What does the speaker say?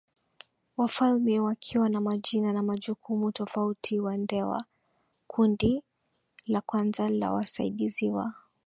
Wafalme wakiwa na majina na majukumu tofautiWandewa Kundi la kwanza la wasaidizi wa